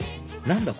何だ？